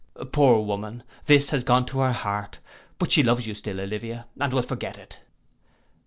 Poor woman, this has gone to her heart: but she loves you still, Olivia, and will forget it.